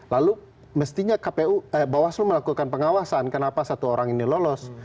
lalu mestinya bawaslu melakukan pengawasan kenapa satu orang ini lolos